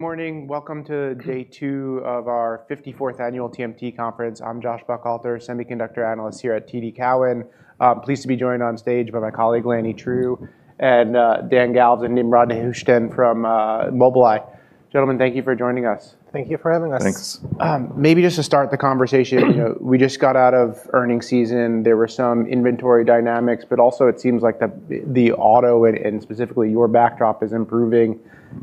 Good morning. Welcome to day two of our 54th Annual TMT conference. I'm Josh Buchalter, semiconductor analyst here at TD Cowen. I'm pleased to be joined on stage by my colleague, Lannie Trieu, and Dan Galves and Nimrod Nehushtan from Mobileye. Gentlemen, thank you for joining us. Thank you for having us. Thanks. Maybe just to start the conversation, we just got out of earnings season. There were some inventory dynamics, but also it seems like the auto, and specifically your backdrop, is improving.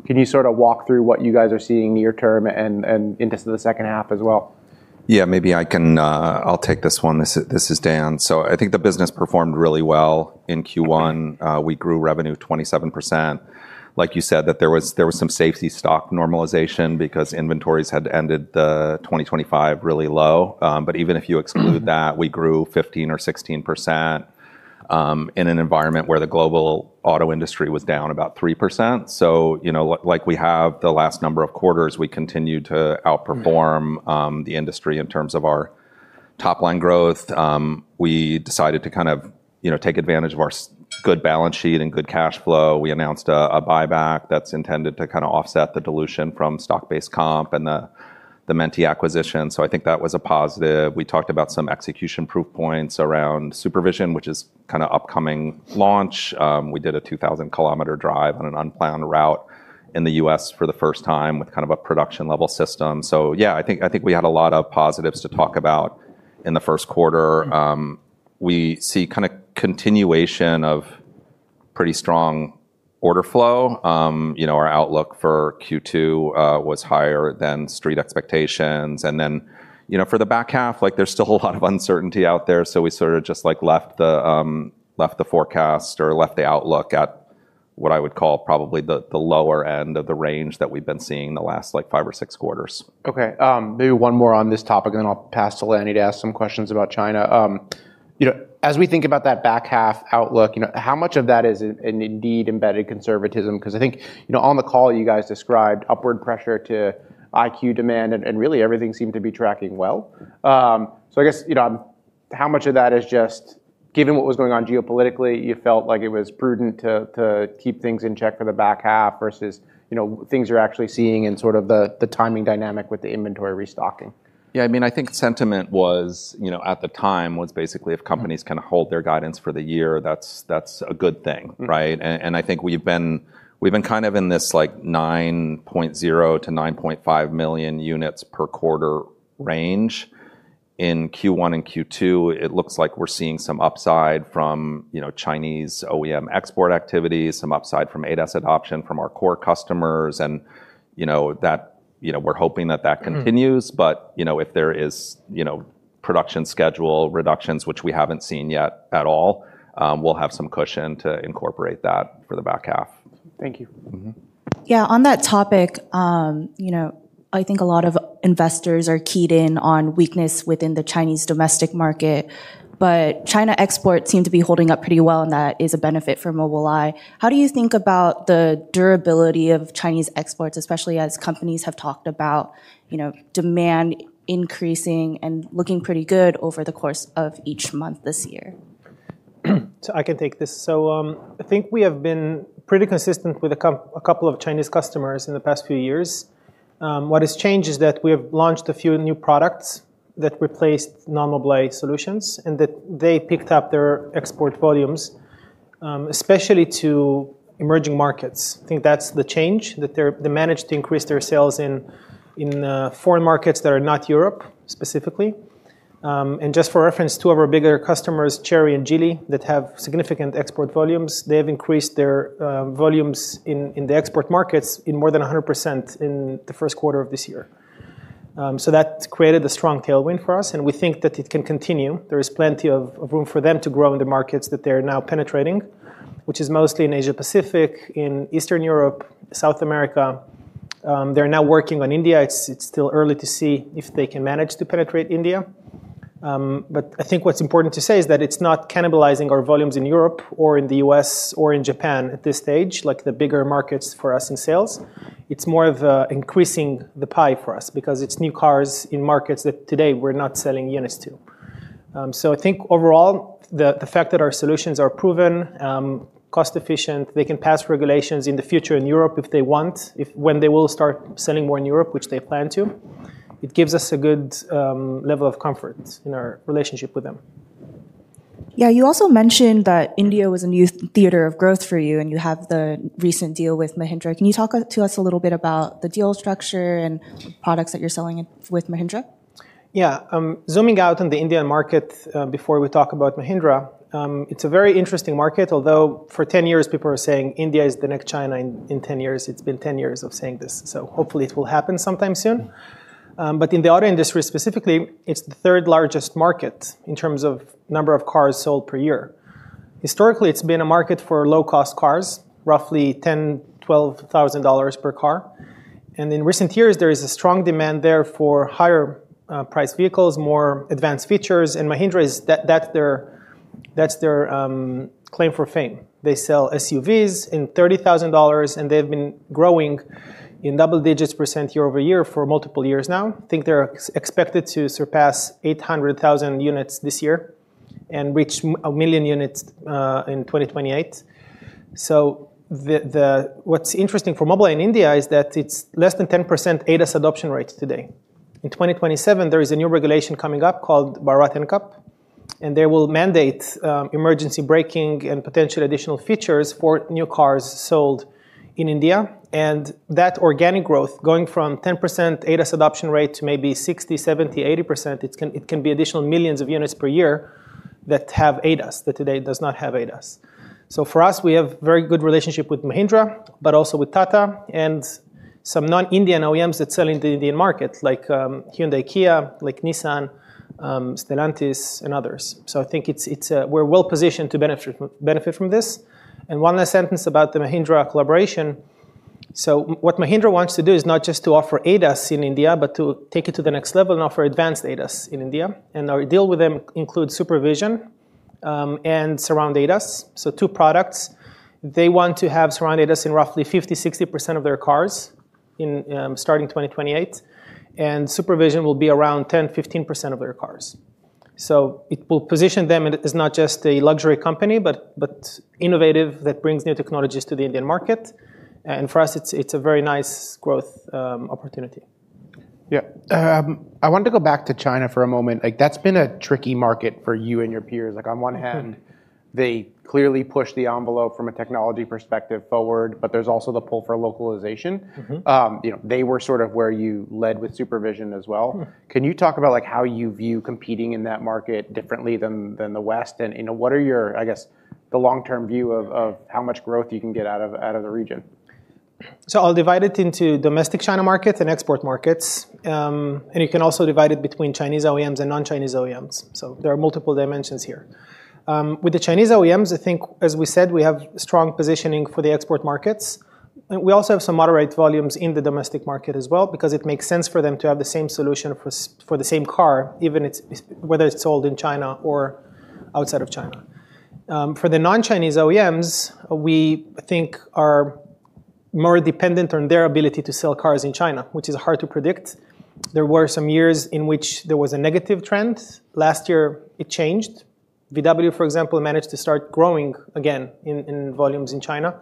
Can you walk through what you guys are seeing near term and into the second half as well? Yeah, maybe I'll take this one. This is Dan. I think the business performed really well in Q1. We grew revenue 27%. Like you said, that there was some safety stock normalization because inventories had ended 2025 really low. Even if you exclude that, we grew 15% or 16% in an environment where the global auto industry was down about 3%. Like we have the last number of quarters, we continue to outperform the industry in terms of our top-line growth. We decided to take advantage of our good balance sheet and good cash flow. We announced a buyback that's intended to offset the dilution from stock-based comp and the Mentee acquisition. I think that was a positive. We talked about some execution proof points around SuperVision, which is an upcoming launch. We did a 2,000 km drive on an unplanned route in the U.S. for the first time with a production level system. Yeah, I think we had a lot of positives to talk about in the first quarter. We see continuation of pretty strong order flow. Our outlook for Q2 was higher than street expectations. For the back-half, there's still a lot of uncertainty out there. We sort of just left the forecast or left the outlook at what I would call probably the lower end of the range that we've been seeing the last five or six quarters. Okay. Maybe one more on this topic, and then I'll pass to Lannie to ask some questions about China. As we think about that back-half outlook, how much of that is indeed embedded conservatism? I think, on the call, you guys described upward pressure to EyeQ demand and really everything seemed to be tracking well. I guess, how much of that is just given what was going on geopolitically, you felt like it was prudent to keep things in check for the back-half versus things you're actually seeing in sort of the timing dynamic with the inventory restocking? Yeah, I think sentiment at the time was basically if companies can hold their guidance for the year, that's a good thing, right? I think we've been kind of in this 9.0-9.5 million units per quarter range. In Q1 and Q2, it looks like we're seeing some upside from Chinese OEM export activities, some upside from ADAS adoption from our core customers. We're hoping that that continues. If there is production schedule reductions, which we haven't seen yet at all, we'll have some cushion to incorporate that for the back-half. Thank you. Yeah, on that topic, I think a lot of investors are keyed in on weakness within the Chinese domestic market, but China exports seem to be holding up pretty well, and that is a benefit for Mobileye. How do you think about the durability of Chinese exports, especially as companies have talked about demand increasing and looking pretty good over the course of each month this year? I can take this. I think we have been pretty consistent with a couple of Chinese customers in the past few years. What has changed is that we have launched a few new products that replaced non-Mobileye solutions, and that they picked up their export volumes, especially to emerging markets. I think that's the change, that they managed to increase their sales in foreign markets that are not Europe, specifically. Just for reference, two of our bigger customers, Chery and Geely, that have significant export volumes, they have increased their volumes in the export markets by more than 100% in the first quarter of this year. That's created a strong tailwind for us, and we think that it can continue. There is plenty of room for them to grow in the markets that they're now penetrating, which is mostly in Asia-Pacific, in Eastern Europe, South America. They're now working on India. It's still early to see if they can manage to penetrate India. I think what's important to say is that it's not cannibalizing our volumes in Europe or in the U.S. or in Japan at this stage, like the bigger markets for us in sales. It's more about increasing the pie for us because it's new cars in markets that today we're not selling units to. I think overall, the fact that our solutions are proven, cost-efficient, they can pass regulations in the future in Europe if they want. If and when they start selling more in Europe, which they plan to, it gives us a good level of comfort in our relationship with them. Yeah, you also mentioned that India was a new theater of growth for you, and you have the recent deal with Mahindra. Can you talk to us a little bit about the deal structure and products that you're selling to Mahindra? Zooming out on the Indian market, before we talk about Mahindra. It's a very interesting market, although for 10 years, people are saying India is the next China in 10 years. It's been 10 years of saying this, hopefully it will happen sometime soon. In the auto industry specifically, it's the third largest market in terms of number of cars sold per year. Historically, it's been a market for low-cost cars, roughly $10,000-$12,000 per car. In recent years, there is a strong demand there for higher priced vehicles, more advanced features. Mahindra, that's their claim to fame. They sell SUVs at $30,000, and they've been growing in double-digit % year-over-year for multiple years now. I think they're expected to surpass 800,000 units this year. Reach 1 million units in 2028. What's interesting for Mobileye in India is that it's less than 10% ADAS adoption rate today. In 2027, there is a new regulation coming up called Bharat NCAP, and they will mandate emergency braking and potential additional features for new cars sold in India. That organic growth going from 10% ADAS adoption rate to maybe 60%-70%, or 80%, it can be additional millions of units per year that have ADAS that today do not have ADAS. For us, we have a very good relationship with Mahindra, but also with Tata and some non-Indian OEMs that sell in the Indian market like Hyundai, Kia, like Nissan, Stellantis and others. I think we're well-positioned to benefit from this. One last sentence about the Mahindra collaboration. What Mahindra wants to do is not just to offer ADAS in India, but to take it to the next level and offer advanced ADAS in India. Our deal with them includes SuperVision and Surround ADAS. Two products. They want to have Surround ADAS in roughly 50%-60% of their cars starting in 2028, and SuperVision will be around 10%-15% of their cars. It will position them as not just a luxury company, but innovative, that brings new technologies to the Indian market. For us, it's a very nice growth opportunity. Yeah. I wanted to go back to China for a moment. That's been a tricky market for you and your peers. Like on one hand, they clearly push the envelope from a technology perspective forward, but there's also the pull for localization. They were sort of where you led with SuperVision as well. Can you talk about how you view competing in that market differently than the West and, what are your, I guess, the long-term view of how much growth you can get out of the region? I'll divide it into domestic China markets and export markets. You can also divide it between Chinese OEMs and non-Chinese OEMs. There are multiple dimensions here. With the Chinese OEMs, I think, as we said, we have strong positioning for the export markets. We also have some moderate volumes in the domestic market as well because it makes sense for them to have the same solution for the same car, whether it's sold in China or outside of China. For the non-Chinese OEMs, we think they are more dependent on their ability to sell cars in China, which is hard to predict. There were some years in which there was a negative trend. Last year it changed. VW, for example, managed to start growing again in volume in China.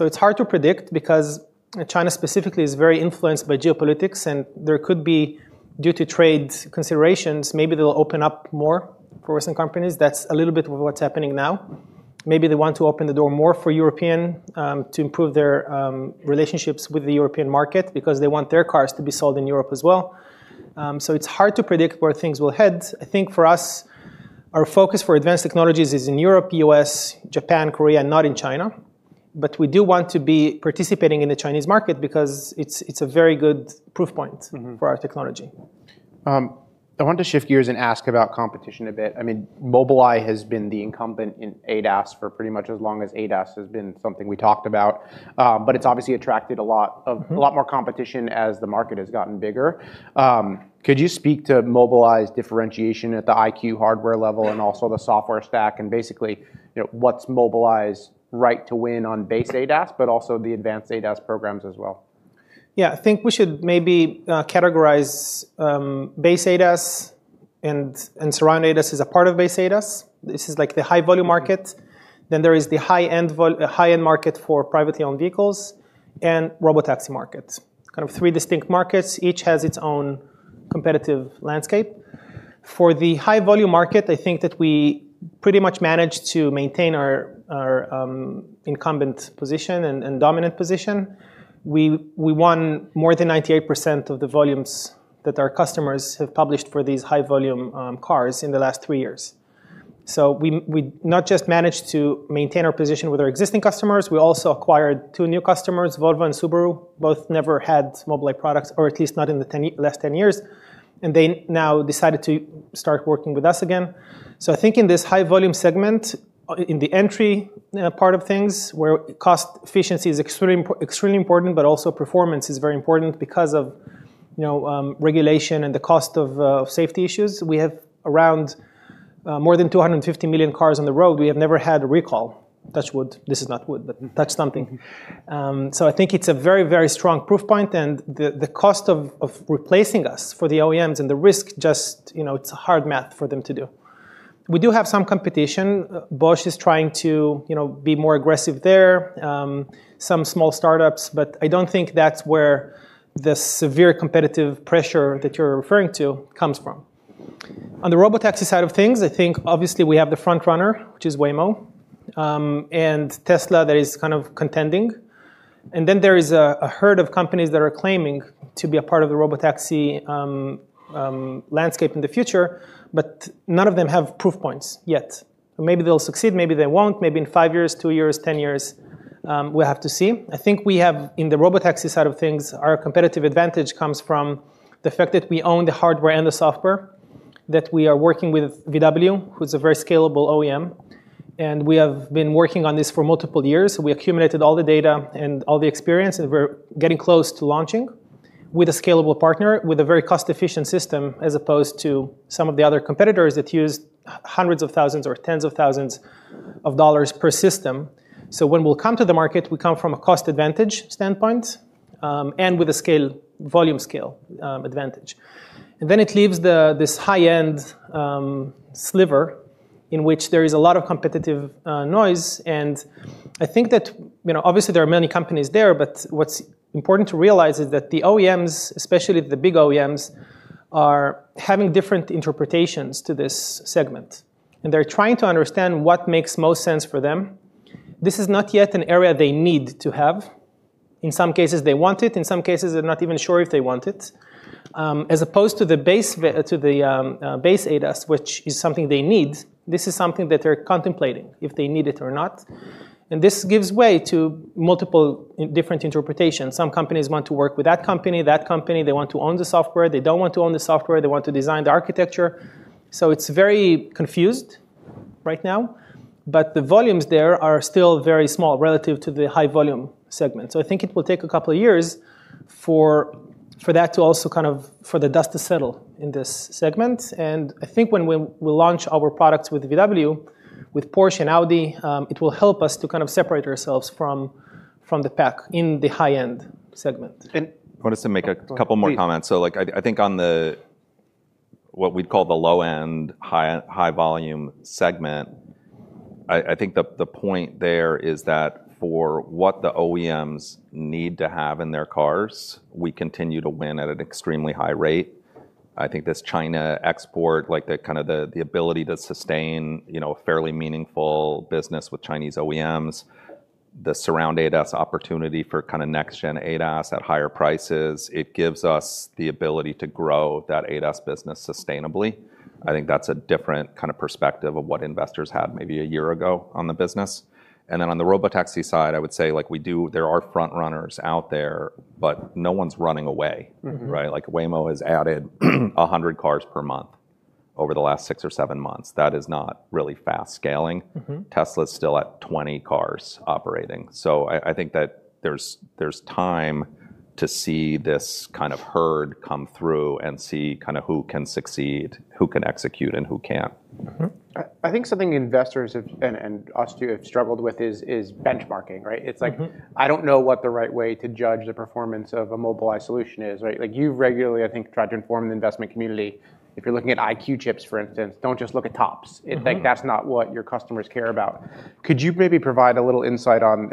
It's hard to predict because China specifically is very influenced by geopolitics, and there could be, due to trade considerations, maybe they'll open up more for Western companies. That's a little bit of what's happening now. Maybe they want to open the door more for European, to improve their relationships with the European market because they want their cars to be sold in Europe as well. It's hard to predict where things will head. I think for us, our focus for advanced technologies is in Europe, U.S., Japan, Korea, not in China. We do want to be participating in the Chinese market because it's a very good proof point. For our technology. I wanted to shift gears and ask about competition a bit. I mean, Mobileye has been the incumbent in ADAS for pretty much as long as ADAS has been something we've talked about. It's obviously attracted a lot more competition as the market has gotten bigger. Could you speak to Mobileye's differentiation at the EyeQ hardware level and also the software stack and basically, what's Mobileye's right to win on base ADAS, but also the advanced ADAS programs as well? I think we should maybe categorize base ADAS and Surround ADAS as a part of base ADAS. This is like the high-volume market. There is the high-end market for privately owned vehicles and robotaxi market. Kind of three distinct markets, each has its own competitive landscape. For the high-volume market, I think that we pretty much managed to maintain our incumbent position and dominant position. We won more than 98% of the volumes that our customers have published for these high-volume cars in the last three years. We not just managed to maintain our position with our existing customers, we also acquired two new customers, Volvo and Subaru, both never had Mobileye products, or at least not in the last ten years, and they now decided to start working with us again. I think in this high-volume segment, in the entry part of things where cost efficiency is extremely important, but also performance is very important because of regulation and the cost of safety issues. We have around more than 250 million cars on the road. We have never had a recall. Touch wood. This is not wood, but touch something. I think it's a very, very strong proof point, and the cost of replacing us for the OEMs and the risk, it's just hard math for them to do. We do have some competition. Bosch is trying to be more aggressive there. Some small startups, but I don't think that's where the severe competitive pressure that you're referring to is coming from. On the robotaxi side of things, I think obviously we have the front runner, which is Waymo, and Tesla that is kind of contending. There is a herd of companies that are claiming to be a part of the robotaxi landscape in the future, but none of them has proof points yet. Maybe they'll succeed, maybe they won't. Maybe in five years, two years, or ten years, we'll have to see. I think we have, on the robotaxi side of things, our competitive advantage comes from the fact that we own the hardware and the software, that we are working with VW, who's a very scalable OEM, and we have been working on this for multiple years. We accumulated all the data and all the experience, and we're getting close to launching with a scalable partner, with a very cost-efficient system, as opposed to some of the other competitors that use hundreds of thousands or tens of thousands of dollars per system. When we come to the market, we come from a cost advantage standpoint. With a volume scale advantage. It leaves this high-end sliver in which there is a lot of competitive noise. I think that obviously there are many companies there, but what's important to realize is that the OEMs, especially the big OEMs, are having different interpretations of this segment, and they're trying to understand what makes most sense for them. This is not yet an area they need to have. In some cases, they want it. In some cases, they're not even sure if they want it, as opposed to the base ADAS, which is something they need. This is something that they're contemplating if they need it or not, and this gives way to multiple different interpretations. Some companies want to work with that company. They want to own the software. They don't want to own the software. They want to design the architecture. It's very confusing right now. The volumes there are still very small relative to the high-volume segment. I think it will take a couple of years for the dust to settle in this segment. I think when we launch our products with VW, with Porsche and Audi, it will help us to kind of separate ourselves from the pack in the high-end segment. And. I wanted to make a couple more comments. Please. I think on the, what we'd call the low end, high volume segment, I think the point there is that for what the OEMs need to have in their cars, we continue to win at an extremely high rate. I think this China export, the ability to sustain a fairly meaningful business with Chinese OEMs, the Surround ADAS opportunity for next-gen ADAS at higher prices, it gives us the ability to grow that ADAS business sustainably. I think that's a different kind of perspective on what investors had maybe a year ago on the business. On the robotaxi side, I would say there are front runners out there, but no one's running away, right? Like Waymo has added 100 cars per month over the last six or seven months. That is not really fast scaling. Tesla's still at 20 cars operating. I think that there's time to see this kind of herd come through and see who can succeed, who can execute, and who can't. I think something investors have been, and us too, have struggled with is benchmarking, right? It's like, I don't know what the right way to judge the performance of a Mobileye solution is, right? You regularly, I think, try to inform the investment community, if you're looking at EyeQ chips, for instance, don't just look at TOPS. That's not what your customers care about. Could you maybe provide a little insight on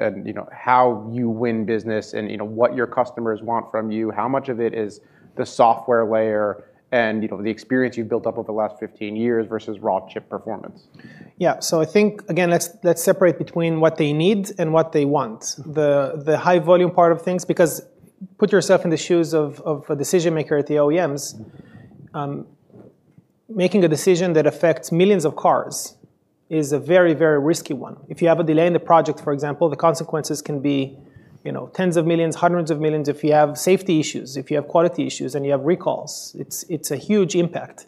how you win business and what your customers want from you? How much of it is the software layer and the experience you've built up over the last 15 years versus raw chip performance? I think, again, let's separate between what they need and what they want, the high volume part of things, because put yourself in the shoes of a decision-maker at the OEMs. Making a decision that affects millions of cars is a very, very risky one. If you have a delay in the project, for example, the consequences can be tens of millions, hundreds of millions if you have safety issues, if you have quality issues, and you have recalls. It's a huge impact.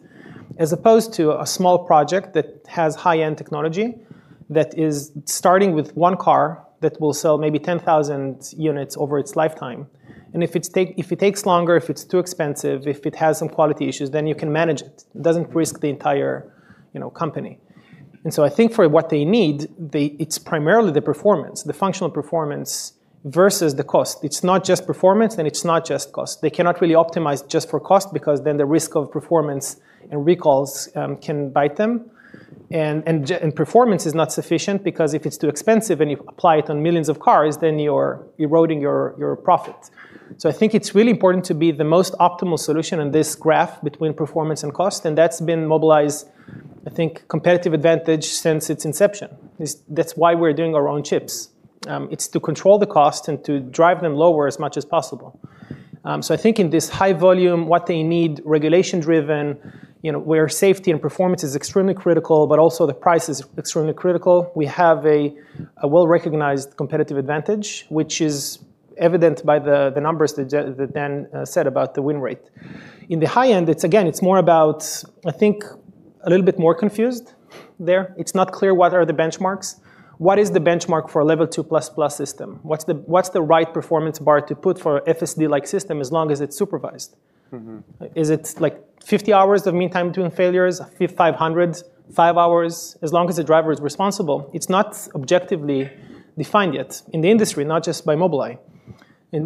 As opposed to a small project that has high-end technology that is starting with one car that will sell maybe 10,000 units over its lifetime. If it takes longer, if it's too expensive, if it has some quality issues, then you can manage it. It doesn't risk the entire company. I think for what they need, it's primarily the performance, the functional performance versus the cost. It's not just performance, and it's not just cost. They cannot really optimize just for cost because then the risk of performance and recalls can bite them. Performance is not sufficient because if it's too expensive and you apply it on millions of cars, then you're eroding your profit. I think it's really important to be the most optimal solution in this graph between performance and cost, and that's been Mobileye's, I think, competitive advantage since its inception. That's why we're doing our own chips. It's to control the cost and to drive them lower as much as possible. I think in this high volume, what they need, regulation driven, where safety and performance is extremely critical, but also the price is extremely critical, we have a well-recognized competitive advantage, which is evident from the numbers that Dan said about the win rate. In the high end, again, it's more about, I think, a little bit more confusing there. It's not clear what are the benchmarks. What is the benchmark for a Level 2++ system? What's the right performance bar to put for an FSD-like system as long as it's supervised? Is it 50 hours of mean time between failures, 500, five hours? As long as the driver is responsible, it's not objectively defined yet in the industry, not just by Mobileye.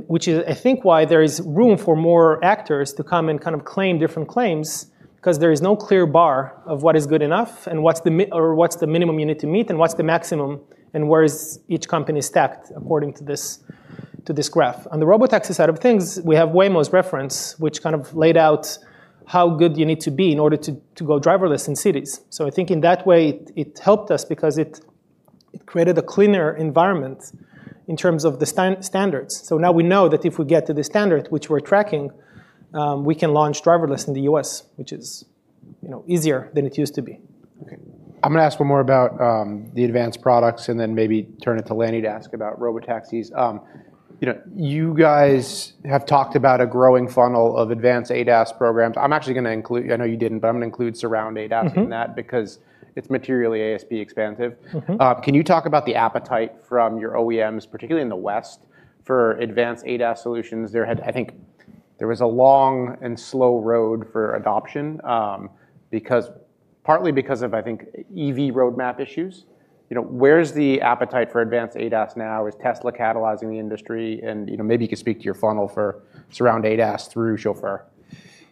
Which is, I think, why there is room for more actors to come and kind of make different claims because there is no clear bar of what is good enough, or what's the minimum you need to meet and what's the maximum, and where each company is stacked according to this graph. On the robotaxi side of things, we have Waymo's reference, which kind of laid out how good you need to be in order to go driverless in cities. I think in that way, it helped us because it created a cleaner environment in terms of the standards. Now we know that if we get to the standard which we're tracking, we can launch driverless in the U.S., which is easier than it used to be. Okay. I'm going to ask one more about the advanced products and then maybe turn it to Lannie to ask about robotaxis. You guys have talked about a growing funnel of advanced ADAS programs. I'm actually going to include, I know you didn't, but I'm going to include Surround ADAS. in that because it's materially ASP expansive. Can you talk about the appetite from your OEMs, particularly in the West, for advanced ADAS solutions? There was a long and slow road for adoption partly because of, I think, EV roadmap issues. Where's the appetite for advanced ADAS now? Is Tesla catalyzing the industry? Maybe you could speak to your funnel for Surround ADAS through Chauffeur.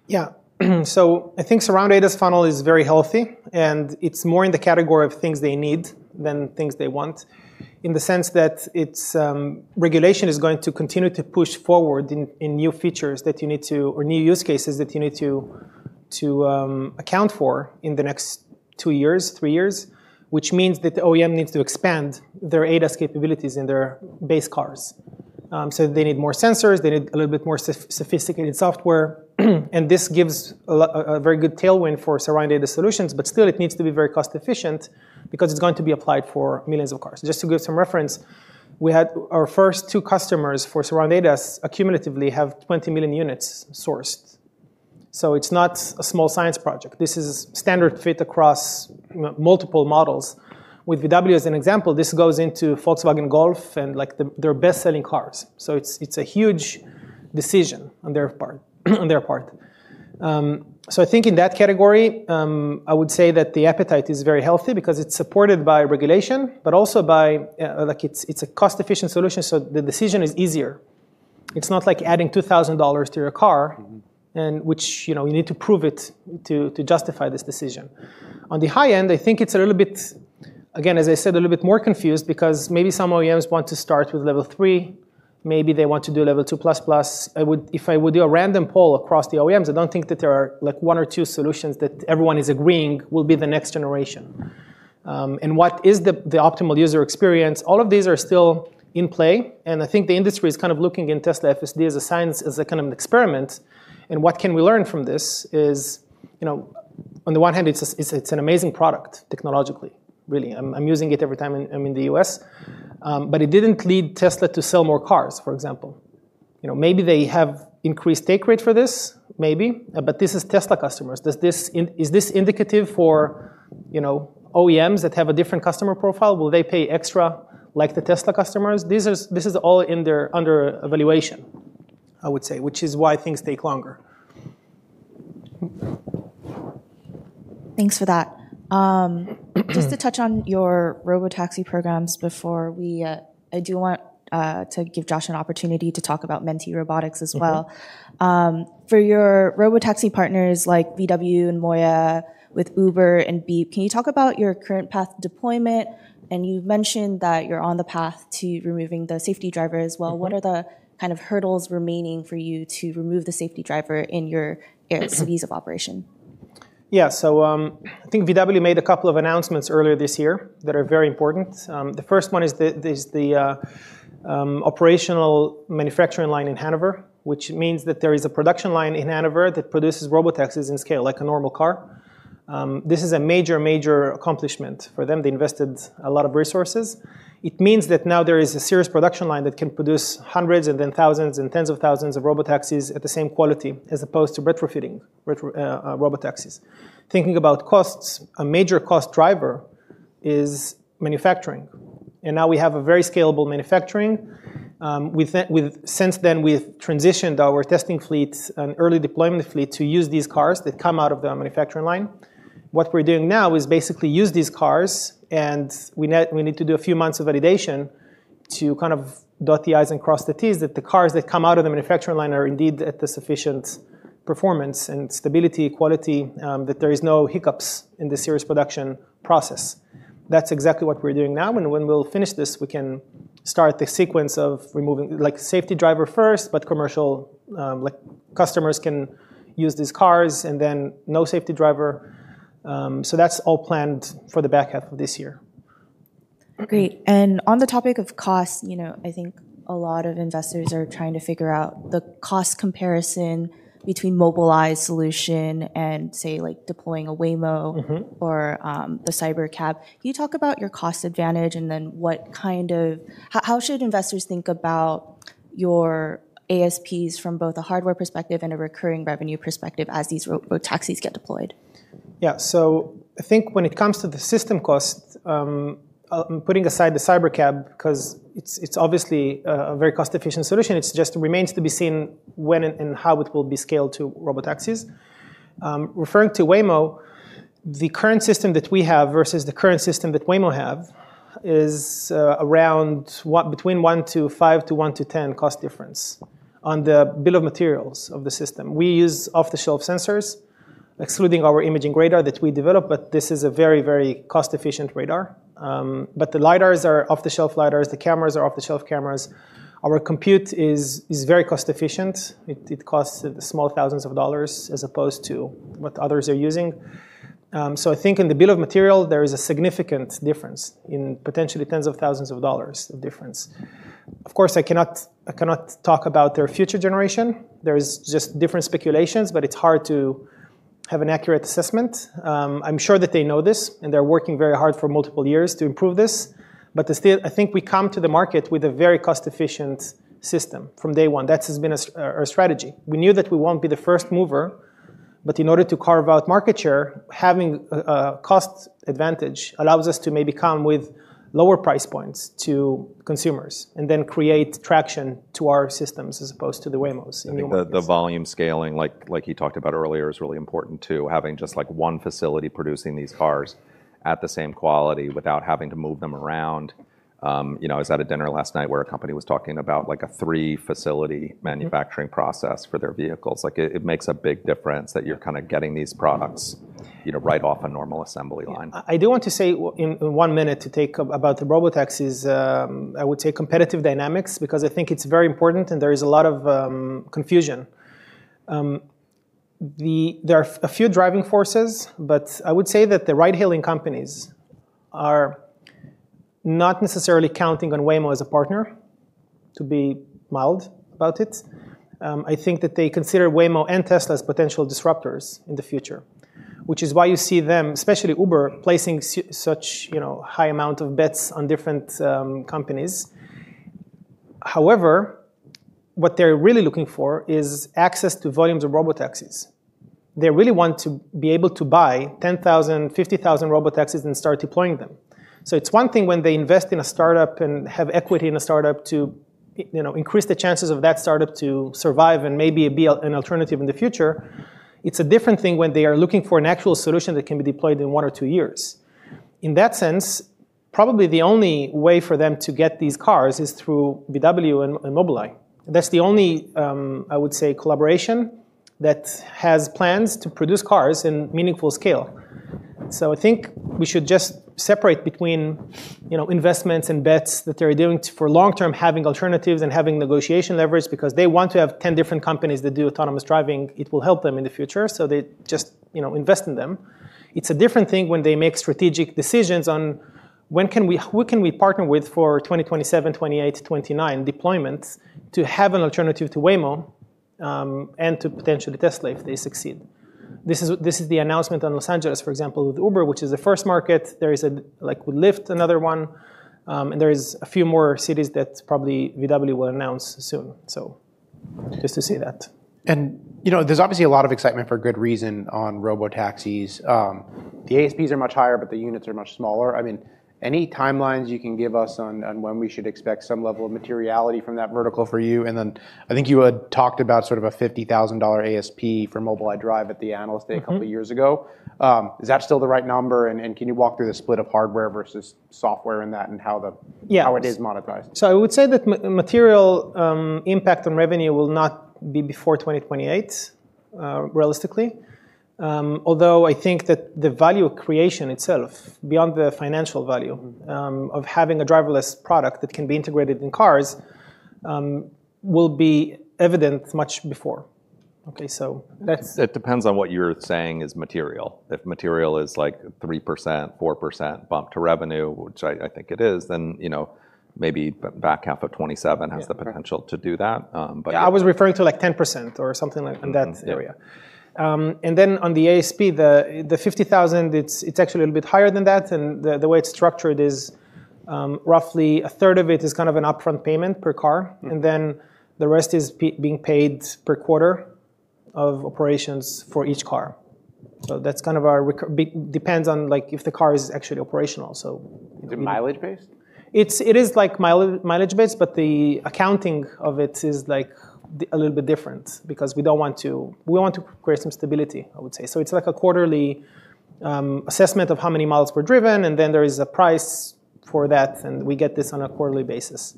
Yeah. I think Surround ADAS funnel is very healthy, and it's more in the category of things they need than things they want, in the sense that its regulation is going to continue to push forward in new features or new use cases that you need to account for in the next two years, three years, which means that the OEM needs to expand their ADAS capabilities in their base cars. They need more sensors, they need a little bit more sophisticated software. This gives a very good tailwind for Surround ADAS solutions, but still, it needs to be very cost-efficient because it's going to be applied for millions of cars. Just to give some reference, our first two customers for Surround ADAS cumulatively have 20 million units sourced. It's not a small science project. This is standard fit across multiple models. With VW as an example, this goes into Volkswagen Golf and their best-selling cars. It's a huge decision on their part. I think in that category, I would say that the appetite is very healthy because it's supported by regulation, but also by, it's a cost-efficient solution, so the decision is easier. It's not like adding $2,000 to your car, which you need to prove to justify this decision. On the high end, I think it's, again, as I said, a little bit more confusing because maybe some OEMs want to start with Level 3, maybe they want to do Level 2++. If I would do a random poll across the OEMs, I don't think that there are one or two solutions that everyone is agreeing will be the next generation. What is the optimal user experience? All of these are still in play. I think the industry is kind of looking in Tesla FSD as a kind of experiment, and what can we learn from this is, on the one hand, it's an amazing product technologically. Really. I'm using it every time I'm in the U.S. It didn't lead Tesla to sell more cars, for example. Maybe they have increased take rate for this, maybe, but this is Tesla customers. Is this indicative for OEMs that have a different customer profile? Will they pay extra like the Tesla customers? This is all under evaluation, I would say, which is why things take longer. Thanks for that. Just to touch on your robotaxi programs from before, I do want to give Josh an opportunity to talk about Mentee Robotics as well. For your robotaxi partners like VW and MOIA with Uber and Beep, can you talk about your current path deployment? You've mentioned that you're on the path to removing the safety driver as well. What are the kind of hurdles remaining for you to remove the safety driver in your cities of operation? I think VW made a couple of announcements earlier this year that are very important. The first one is the operational manufacturing line in Hanover, which means that there is a production line in Hanover that produces robotaxis at scale like a normal car. This is a major accomplishment for them. They invested a lot of resources. It means that now there is a serious production line that can produce hundreds, thousands, and tens of thousands of robotaxis at the same quality as opposed to retrofitting robotaxis. Thinking about costs, a major cost driver is manufacturing. Now we have a very scalable manufacturing. Since then, we've transitioned our testing fleets and early deployment fleets to use these cars that come out of the manufacturing line. What we're doing now is basically using these cars, and we need to do a few months of validation to kind of dot the I's and cross the T's that the cars that come out of the manufacturing line are indeed at the sufficient performance and stability, quality, that there are no hiccups in the serial production process. That's exactly what we're doing now, and when we finish this, we can start the sequence of removing, safety driver first, but commercial customers can use these cars and then no safety driver. That's all planned for the back-half of this year. Great. On the topic of cost, I think a lot of investors are trying to figure out the cost comparison between Mobileye's solution and, say, deploying a Waymo or the Cybercab. Can you talk about your cost advantage, and then how should investors think about your ASPs from both a hardware perspective and a recurring revenue perspective as these robotaxis get deployed? Yeah. I think when it comes to the system cost, putting aside the Cybercab because it's obviously a very cost-efficient solution, it just remains to be seen when and how it will be scaled to robotaxis. Referring to Waymo, the current system that we have versus the current system that Waymo have is around between one to five to one to 10 cost difference on the bill of materials of the system. We use off-the-shelf sensors, excluding our Imaging Radar that we developed, but this is a very, very cost-efficient radar. The lidars are off-the-shelf lidars. The cameras are off-the-shelf cameras. Our compute is very cost efficient. It costs small thousands of dollars as opposed to what others are using. I think in the bill of material, there is a significant difference in potentially tens of thousands of dollars of difference. Of course, I cannot talk about their future generation. There is just different speculations, but it is hard to have an accurate assessment. I am sure that they know this, and they are working very hard for multiple years to improve this. I think we come to the market with a very cost-efficient system from day one. That has been our strategy. We knew that we won't be the first mover. In order to carve out market share, having a cost advantage allows us to maybe come with lower price points to consumers and then create traction to our systems as opposed to the Waymos in many ways. I think the volume scaling, like you talked about earlier, is really important too. Having just one facility producing these cars at the same quality without having to move them around. I was at a dinner last night where a company was talking about a three-facility manufacturing process for their vehicles. It makes a big difference that you're getting these products right off a normal assembly line. Yeah. I do want to say, in one minute to take about the robotaxis, I would say competitive dynamics, because I think it's very important and there is a lot of confusion. There are a few driving forces, but I would say that the ride-hailing companies are not necessarily counting on Waymo as a partner, to be mild about it. I think that they consider Waymo and Tesla as potential disruptors in the future, which is why you see them, especially Uber, placing such high amount of bets on different companies. However, what they're really looking for is access to volumes of robotaxis. They really want to be able to buy 10,000-50,000 robotaxis and start deploying them. It's one thing when they invest in a startup and have equity in a startup to increase the chances of that startup to survive and maybe be an alternative in the future. It's a different thing when they are looking for an actual solution that can be deployed in one or two years. In that sense, probably the only way for them to get these cars is through VW and Mobileye. That's the only, I would say, collaboration that has plans to produce cars in meaningful scale. I think we should just separate between investments and bets that they're doing for long term, having alternatives and having negotiation leverage because they want to have 10 different companies that do autonomous driving. It will help them in the future, so they just invest in them. It's a different thing when they make strategic decisions on who we can partner with for 2027-2028, or 2029 deployments to have an alternative to Waymo, and to potentially Tesla if they succeed. This is the announcement in Los Angeles, for example, with Uber, which is the first market. There is Lyft, another one. There are a few more cities that probably VW will announce soon. Just to say that. There's obviously a lot of excitement for a good reason on robotaxis. The ASPs are much higher, but the units are much smaller. Any timelines you can give us on when we should expect some level of materiality from that vertical for you? I think you had talked about sort of a $50,000 ASP for Mobileye Drive at the Analyst Day a couple of years ago. Is that still the right number, and can you walk through the split of hardware versus software in that and how it is monetized? I would say that material impact on revenue will not be before 2028, realistically. Although I think that the value creation itself, beyond the financial value, of having a driverless product that can be integrated in cars, will be evident much before. Okay. It depends on what you're saying is material. If material is 3%-4% bump to revenue, which I think it is, then maybe back-half of 2027 has the potential to do that. Yeah, I was referring to 10% or something like in that area. Yeah. On the ASP, the $50,000, it's actually a little bit higher than that. The way it's structured is roughly a third of it is kind of an upfront payment per car, then the rest is being paid per quarter of operations for each car. That kind of depends on if the car is actually operational. Is it mileage based? It is mileage based, but the accounting of it is a little bit different because we want to create some stability, I would say. It's like a quarterly assessment of how many miles were driven, and then there is a price for that, and we get this on a quarterly basis.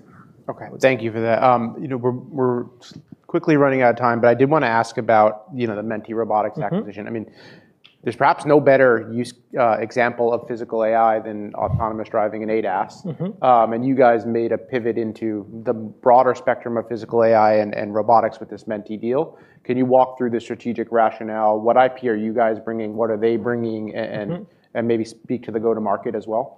Okay. Thank you for that. We're quickly running out of time, but I did want to ask about the Mentee Robotics acquisition. There's perhaps no better use example of physical AI than autonomous driving and ADAS. You guys made a pivot into the broader spectrum of physical AI and robotics with this Mentee deal. Can you walk through the strategic rationale? What IP are you guys bringing? What are they bringing? Maybe speak to the go to market as well.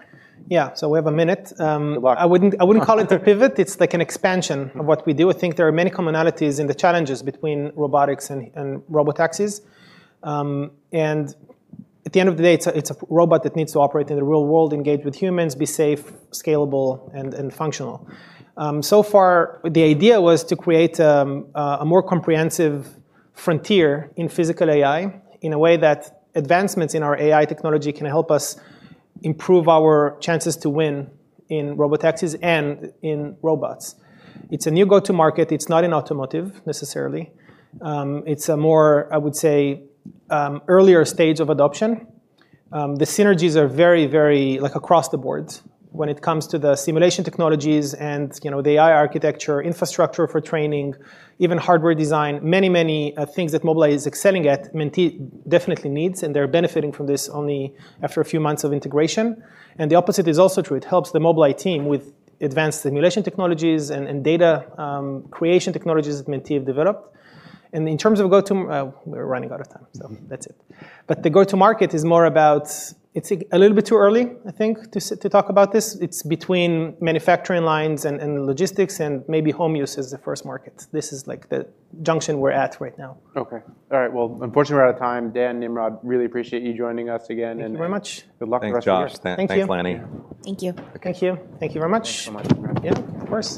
Yeah. We have a minute. Good luck. I wouldn't call it a pivot. It's like an expansion of what we do. I think there are many commonalities in the challenges between robotics and robotaxis. At the end of the day, it's a robot that needs to operate in the real world, engage with humans, be safe, scalable, and functional. So far, the idea was to create a more comprehensive frontier in physical AI in a way that advancements in our AI technology can help us improve our chances to win in robotaxis and in robots. It's a new go-to market. It's not in automotive necessarily. It's a more, I would say, earlier stage of adoption. The synergies are very across the board when it comes to the simulation technologies and the AI architecture, infrastructure for training, even hardware design. Many things that Mobileye is excelling at, Mentee definitely needs, and they're benefiting from this only after a few months of integration. The opposite is also true. It helps the Mobileye team with advanced simulation technologies and data creation technologies that Mentee have developed. We're running out of time, so that's it. The go-to market is more about, it's a little bit too early, I think, to talk about this. It's between manufacturing lines and logistics, and maybe home use is the first market. This is the junction we're at right now. Okay. All right. Well, unfortunately, we're out of time. Dan, Nimrod, really appreciate you joining us again. Thank you very much. Good luck for the rest of the year. Thanks, Josh. Thank you. Thanks, Lannie. Thank you. Thank you. Thank you very much. Thanks so much, Nimrod. Yeah, of course.